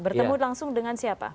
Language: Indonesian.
bertemu langsung dengan siapa